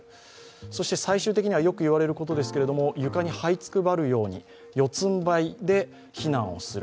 そして最終的には、よく言われることですけれども、床にはいつくばるように四つんばいで避難をする。